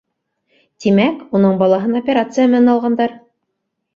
Тимәк, уның балаһын операция менән алғандар!